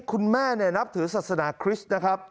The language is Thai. คุณแม่นับถือศาสนาคริสต์